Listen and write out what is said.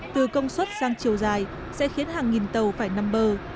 từ công suất sang chiều dài sẽ khiến hàng nghìn tàu phải nằm bờ